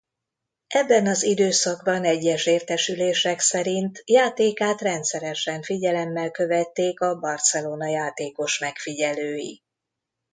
Ebben az időszakban egyes értesülések szerint játékát rendszeresen figyelemmel követték a Barcelona játékosmegfigyelői.